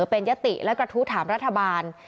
เป็นยติและกระทู้ถามรัฐบาล